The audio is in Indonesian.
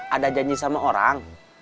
ada janji sama orang